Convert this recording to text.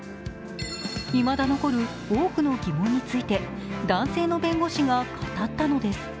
いまだ残る多くの疑問について男性の弁護士か語ったのです。